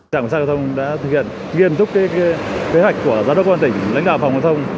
giám đốc công an tỉnh đã thực hiện nghiêm túc kế hoạch của giám đốc công an tỉnh lãnh đạo phòng giao thông